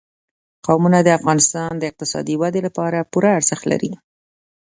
قومونه د افغانستان د اقتصادي ودې لپاره پوره ارزښت لري.